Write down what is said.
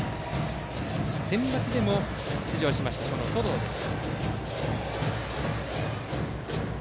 センバツにも出場した登藤です。